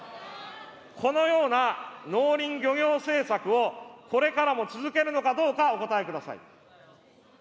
このような農林漁業政策をこれからも続けるのかどうかお答えください。